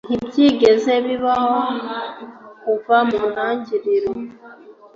Ntibyigeze bibaho kuva mu ntangiriro,